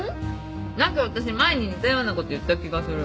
何か私前に似たようなこと言った気がする。